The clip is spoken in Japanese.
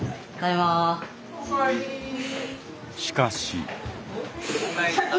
しかし。